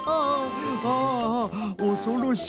ああおそろしや。